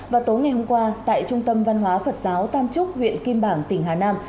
và tối ngày hôm qua tại trung tâm văn hóa phật giáo tam trúc huyện kim bảng tỉnh hà nam